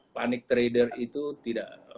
panik trader itu tidak